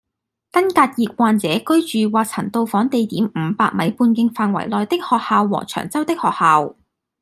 登革熱患者居住或曾到訪地點五百米半徑範圍內的學校和長洲的學校